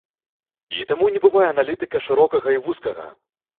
І таму не бывае аналітыка шырокага і вузкага.